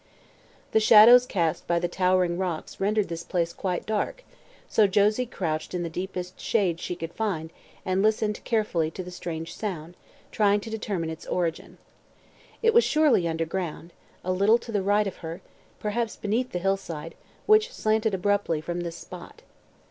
The shadows cast by the towering rocks rendered this place quite dark, so Josie crouched in the deepest shade she could find and listened carefully to the strange sound, trying to determine its origin. It was surely under ground a little to the right of her perhaps beneath the hillside, which slanted abruptly from this spot.